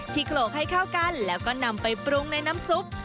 โขลกให้เข้ากันแล้วก็นำไปปรุงในน้ำซุป